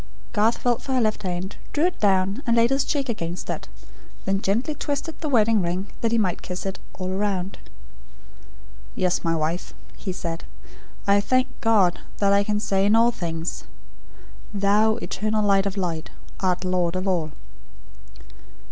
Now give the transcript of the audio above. Garth felt for her left hand, drew it down, and laid his cheek against it; then gently twisted the wedding ring that he might kiss it all round. "Yes, my wife," he said. "I thank God, that I can say in all things: 'Thou, Eternal Light of Light, art Lord of All.'"